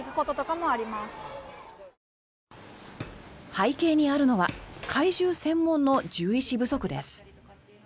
背景にあるのは海獣専門の獣医師不足です。